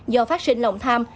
do phát sinh lòng tham